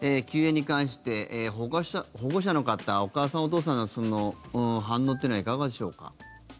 休園に関して、保護者の方お母さん、お父さんの反応っていうのはいかがでしょうか。